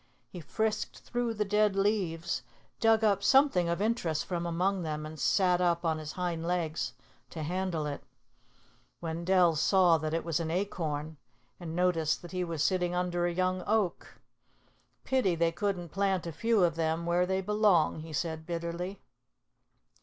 He frisked through the dead leaves, dug up something of interest from among them and sat up on his hind legs to handle it. Wendell saw that it was an acorn and noticed that he was sitting under a young oak. "Pity they couldn't plant a few of them where they belong," he said bitterly.